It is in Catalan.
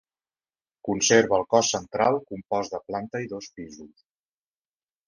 Conserva el cos central compost de planta i dos pisos.